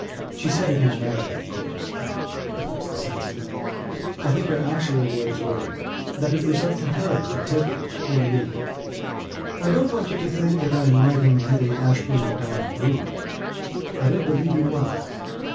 She said it in American of course, but that was the sense of it. I think her actual words were: 'That it was up to her to take it or leave it....'" I don't want you to think that I am writing Teddy Ashburnham down a brute. I don't believe he was.